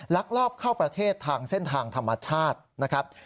ลักลอบเข้าประเทศทางเส้นทางธรรมชาตินะครับ